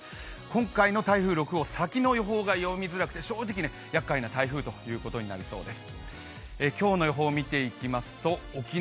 今回の台風６号、先の予報が読みづらくて正直、やっかいな台風ということになりそうです。